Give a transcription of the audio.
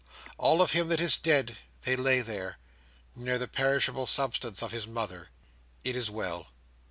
All of him that is dead, they lay there, near the perishable substance of his mother. It is well.